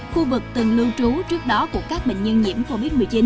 khu vực từng lưu trú trước đó của các bệnh nhân nhiễm covid một mươi chín